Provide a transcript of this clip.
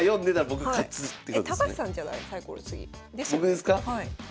僕ですか？